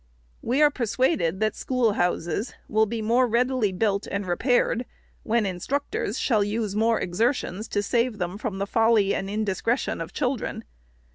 We are persuaded that schoolhouses will be more readily built and repaired, when instructors shall use more exertions to save them from the folly and indiscre tion of children.